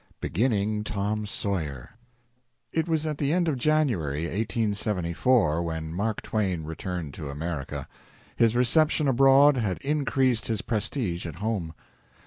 XXXV. BEGINNING "TOM SAWYER" It was at the end of January, 1874, when Mark Twain returned to America. His reception abroad had increased his prestige at home.